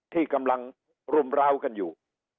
ที่กำลังรุมร้าวกันอยู่